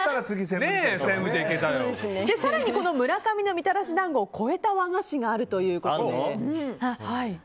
更にこの村上のみたらし団子を超えた和菓子があると。